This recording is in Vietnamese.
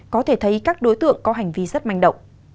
có thể thấy các đối tượng có hành vi rất manh động